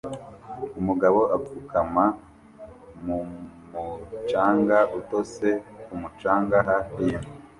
Umugabo apfukama mu mucanga utose ku mucanga hafi yimbwa